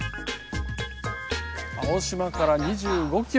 青島から２５キロ